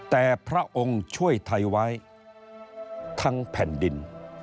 แต่พระองค์ช่วยไทยไว้ทั้งแผ่นดิน